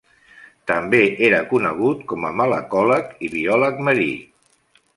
També era conegut com a malacòleg i biòleg marí.